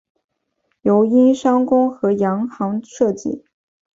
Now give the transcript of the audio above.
由英商公和洋行设计。